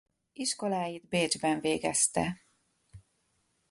Iskoláit Bécsben végezte.